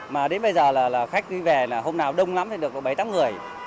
mà đến bây giờ là khách đi về là hôm nào đông lắm thì được có bảy tám người